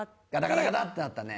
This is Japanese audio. ガタガタガタってなったね。